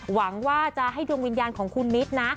หวังว่าจะให้ดวงวิญญาณของคุณมิตรนะ